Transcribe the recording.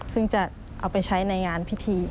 ซึ่งจะเอาไปใช้ในงานพิธี